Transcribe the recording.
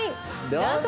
どうぞ！